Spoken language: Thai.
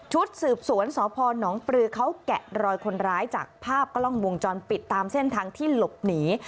สืบสวนสพนปลือเขาแกะรอยคนร้ายจากภาพกล้องวงจรปิดตามเส้นทางที่หลบหนี